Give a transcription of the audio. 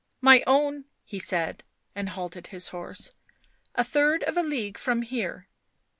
" My own / 7 he said, and halted his horse. " A third of a league from here."